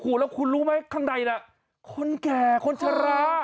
โอ้โหแล้วคุณรู้ไหมข้างในน่ะคนแก่คนชะลา